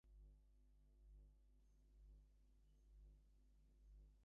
As Holiday began singing, only a small spotlight illuminated her face.